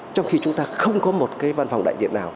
trong khi chúng ta không có một cái văn phòng đại diện nào